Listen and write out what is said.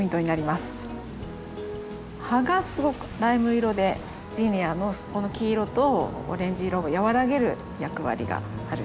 葉がすごくライム色でジニアの黄色とオレンジ色を和らげる役割がある。